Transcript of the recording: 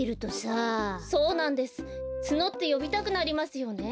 ツノってよびたくなりますよね。